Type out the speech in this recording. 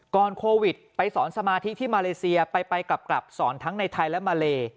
โควิดไปสอนสมาธิที่มาเลเซียไปกลับสอนทั้งในไทยและมาเล